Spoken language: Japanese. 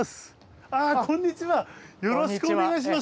よろしくお願いします。